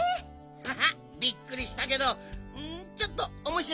ハハびっくりしたけどちょっとおもしろかったよな！